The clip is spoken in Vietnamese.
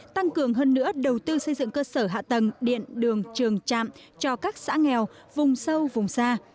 tăng cường hơn nữa đầu tư xây dựng cơ sở hạ tầng điện đường trường trạm cho các xã nghèo vùng sâu vùng xa